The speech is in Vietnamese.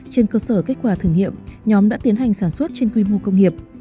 trên cơ sở kết quả thử nghiệm nhóm đã tiến hành sản xuất trên quy mô công nghiệp